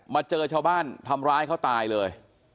เจอชาวบ้านทำร้ายเขาตายเลย